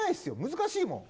難しいですもん。